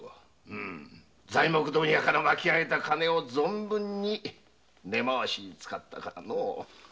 うむ材木問屋から巻き上げた金を存分に根回しに使ったからのう。